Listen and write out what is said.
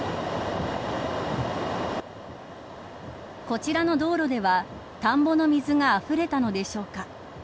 こちらの道路では田んぼの水があふれたのでしょうか。